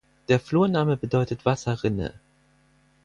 Der Flurname bedeutet Wasserrinne.